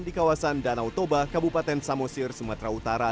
di kawasan danau toba kabupaten samosir sumatera utara